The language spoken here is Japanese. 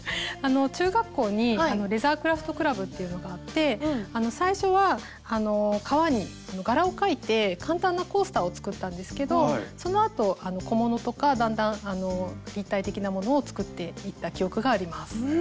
中学校にレザークラフトクラブっていうのがあって最初は革に柄を描いて簡単なコースターを作ったんですけどそのあと小物とかだんだん立体的なものを作っていった記憶があります。